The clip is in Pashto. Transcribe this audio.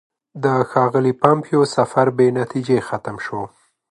د ښاغلي پومپیو سفر بې نتیجې ختم شو.